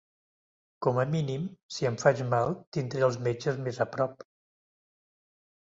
Com a mínim, si em faig mal tindré els metges més a prop.